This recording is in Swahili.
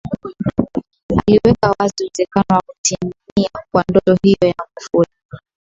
Aliweka wazi uwezekano wa kutimia kwa ndoto hiyo ya Magufuli